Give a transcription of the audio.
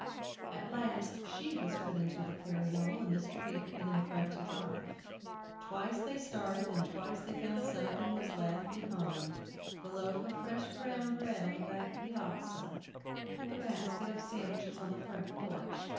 At last she was put into the carryall, and Mr. Peterkin in front to drive. Twice they started, and twice they found something was left behind, the loaf of fresh brown bread on the back piazza, and a basket of sandwiches on the front porch.